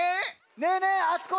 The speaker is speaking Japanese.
ねえねえあつこ